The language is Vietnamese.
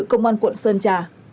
công an quận sơn trà